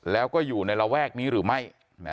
แล้วก็อยู่ในระแวกนี้หรือไม่